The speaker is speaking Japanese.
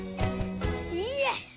よし！